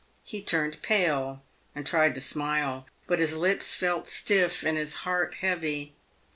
He turned pale and tried to smile, but his lips felt stiff and his heart heavy.